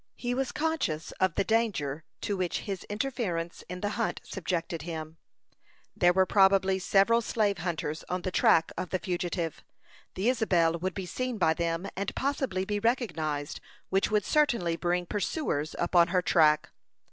He was conscious of the danger to which his interference in the hunt subjected him. There were probably several slave hunters on the track of the fugitive. The Isabel would be seen by them, and possibly be recognized, which would certainly bring pursuers upon her track.